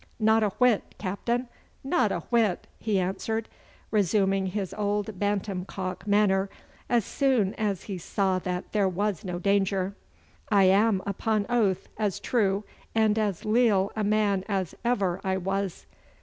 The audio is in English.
'Not a whit, Captain, not a whit!' he answered, resuming his old bantam cock manner as soon as he saw that there was no danger. 'I am upon oath as true and as leal a man as ever I was.